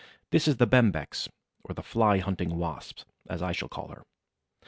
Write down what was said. This is the Bembex, or the Fly hunting Wasp, as I shall call her.